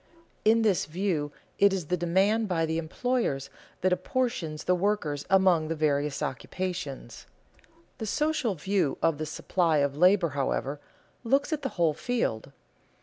In this view it is the demand by the employers that apportions the workers among the various occupations. The social view of the supply of labor, however, looks at the whole field.